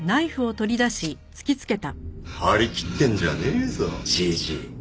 張り切ってんじゃねえぞじじい。